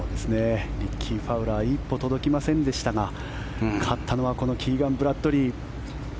リッキー・ファウラー一歩届きませんでしたが勝ったのはこのキーガン・ブラッドリー。